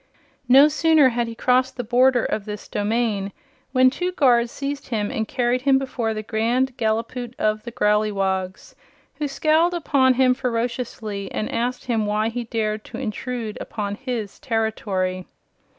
No sooner had he crossed the border of this domain when two guards seized him and carried him before the Grand Gallipoot of the Growleywogs, who scowled upon him ferociously and asked him why he dared intrude upon his territory.